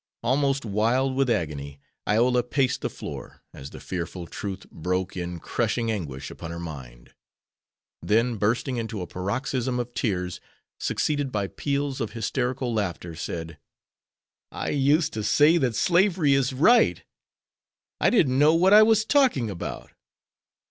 Almost wild with agony, Iola paced the floor, as the fearful truth broke in crushing anguish upon her mind. Then bursting into a paroxysm of tears succeeded by peals of hysterical laughter, said: "I used to say that slavery is right. I didn't know what I was talking about."